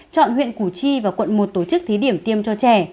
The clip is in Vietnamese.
chọn huyện củ chi và quận một tổ chức thí điểm tiêm cho trẻ